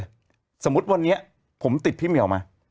นับไปเลยสมมุติวันนี้ผมติดพี่เหมียวมา